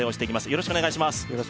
よろしくお願いします